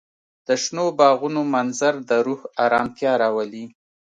د شنو باغونو منظر د روح ارامتیا راولي.